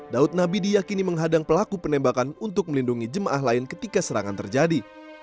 daud nabi diyakini menghadang pelaku penembakan untuk melindungi jemaah lain ketika serangan terjadi